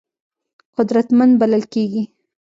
قدرتمند بلل کېږي.